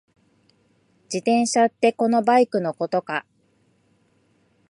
自転車ってこのバイクのことか？